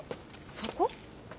そこ？